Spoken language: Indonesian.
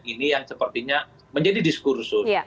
ini yang sepertinya menjadi diskursus